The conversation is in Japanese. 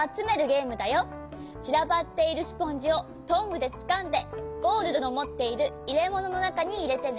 ちらばっているスポンジをトングでつかんでゴールドのもっているいれもののなかにいれてね。